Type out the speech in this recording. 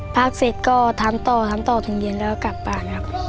พักเสร็จก็ทำต่อทำต่อถึงเย็นแล้วก็กลับบ้านครับ